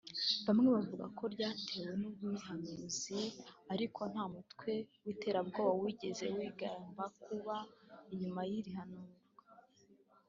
Bamwe bavuga ko ryatewe n’ umwiyahuzi ariko nta mutwe w’ iterabwoba wigeze wigamba kuba inyuma y’ iri hanurwa